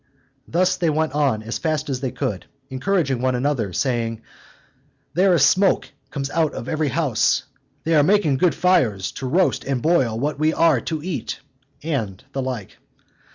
Thus they went on as fast as they could, encouraging one another, saying, "There is smoke comes out of every house: they are making good fires, to roast and boil what we are to eat;" and the like.